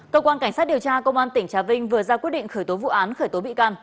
cơ quan cảnh sát điều tra công an tỉnh trà vinh vừa ra quyết định khởi tố vụ án khởi tố bị can